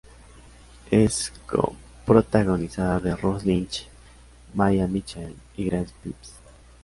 Es co-protagonizada de Ross Lynch, Maia Mitchell, y Grace Phipps.